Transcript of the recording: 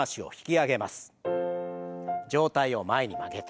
上体を前に曲げて。